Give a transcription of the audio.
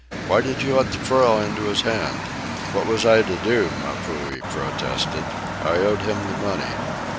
"Why did you let the pearl into his hand?" "What was I to do?" Mapuhi protested. "I owed him the money.